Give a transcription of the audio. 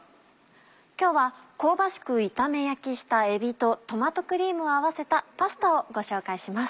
今日は香ばしく炒め焼きしたえびとトマトクリームを合わせたパスタをご紹介します。